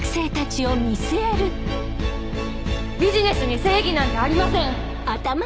ビジネスに正義なんてありません！